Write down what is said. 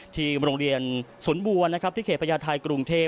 ที่โรงเรียนสวนบัวที่เขตพญาไทกรุงเทพฯ